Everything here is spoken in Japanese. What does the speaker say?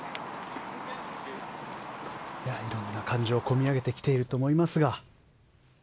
色んな感情が込み上げてきていると思いますが。